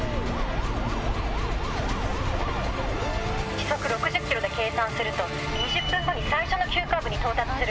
時速６０キロで計算すると２０分後に最初の急カーブに到達する。